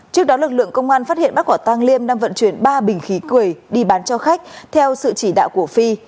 trước đó lực lượng công an phát hiện bác quả tăng liêm đang vận chuyển ba bình khí cư